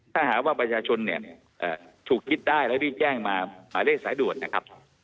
ถ้าหากว่าประชาชนเนี่ยถูกคิดได้แล้วได้แจ้งมาหรือได้สายโดดนะครับ